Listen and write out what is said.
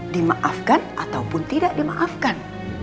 dimaafkan ataupun tidak dimaafkan